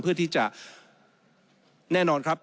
เพื่อที่จะแน่นอนครับ